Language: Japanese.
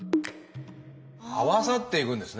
合わさっていくんですね。